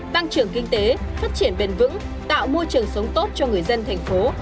tăng trưởng kinh tế phát triển bền vững tạo môi trường sống tốt cho người dân thành phố